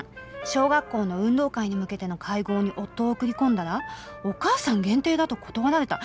「小学校の運動会に向けての会合に夫を送り込んだらお母さん限定だと断られた」。